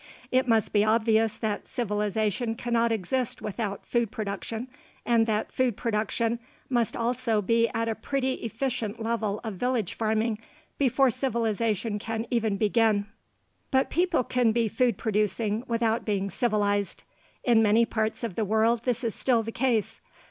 It must be obvious that civilization cannot exist without food production and that food production must also be at a pretty efficient level of village farming before civilization can even begin. But people can be food producing without being civilized. In many parts of the world this is still the case.